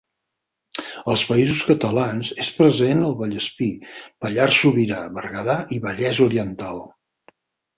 Als Països Catalans és present al Vallespir, Pallars Sobirà, Berguedà i Vallès Oriental.